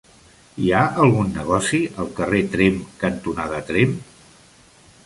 Hi ha algun negoci al carrer Tremp cantonada Tremp?